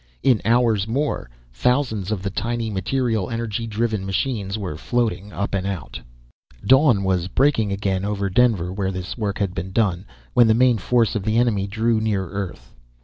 In hours more, thousands of the tiny, material energy driven machines were floating up and out. Dawn was breaking again over Denver where this work had been done, when the main force of the enemy drew near Earth.